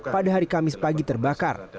pada hari kamis pagi terbakar